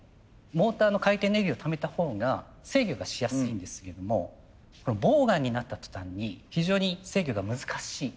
モーターの回転エネルギーをためたほうが制御がしやすいんですけどもボーガンになった途端に非常に制御が難しい。